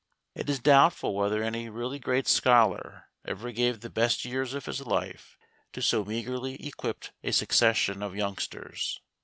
It is doubtful whether any really great scholar ever gave the best years of his life to so meagrely equipped a succession of youngsters!